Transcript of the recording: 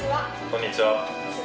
こんにちは。